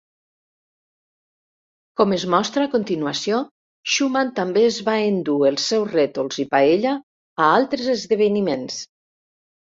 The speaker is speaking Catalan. Com es mostra a continuació, Schuman també es va endur els seus rètols i paella a altres esdeveniments